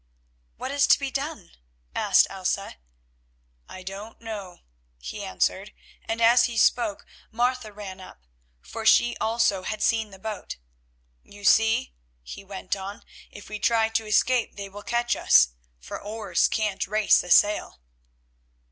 "What is to be done?" asked Elsa. "I don't know," he answered, and as he spoke Martha ran up, for she also had seen the boat. "You see," he went on, "if we try to escape they will catch us, for oars can't race a sail."